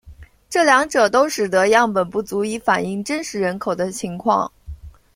这两者都使得样本不足以反映真实人口的情况。